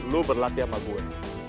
lu berlatih sama gue